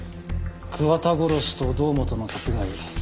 桑田殺しと堂本の殺害